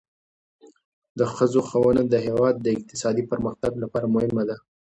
د ښځو ښوونه د هیواد د اقتصادي پرمختګ لپاره مهمه ده.